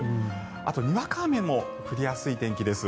あと、にわか雨も降りやすい天気です。